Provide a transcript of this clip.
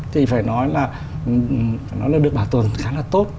thì phải nói là nó được bảo tồn khá là tốt